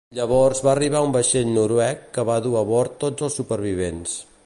Llavors va arribar un vaixell noruec que va dur a bord tots els supervivents.